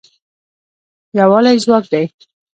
یووالی ځواک دی